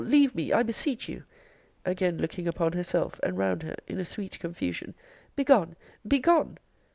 leave me, I beseech you! again looking upon herself, and round her, in a sweet confusion Begone! begone!